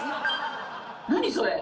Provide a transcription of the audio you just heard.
何それ！